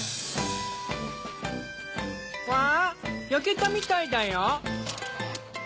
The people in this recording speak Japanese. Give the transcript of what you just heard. わあ焼けたみたいだよ。